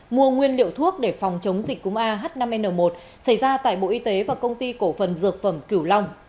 mua nguyên liệu thuốc để phòng chống dịch cúng a h năm n một xảy ra tại bộ y tế và công ty cổ phần dược phẩm cửu long